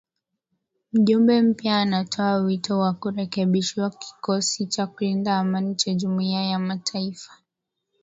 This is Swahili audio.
Mjumbe mpya anatoa wito wa kurekebishwa kikosi cha kulinda amani cha Jumuiya ya mataifa.